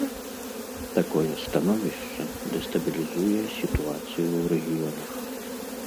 Такое становішча дэстабілізуе сітуацыю ў рэгіёнах.